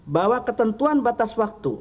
bahwa ketentuan batas waktu